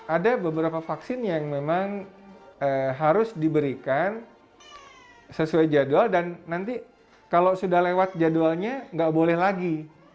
ada beberapa vaksin yang memang harus diberikan sesuai jadwal dan nanti kalau sudah lewat jadwalnya nggak boleh lagi